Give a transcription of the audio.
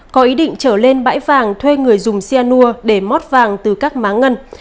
có ý định trở lên bãi vàng thuê người dùng xe nua để mót vàng từ các má ngân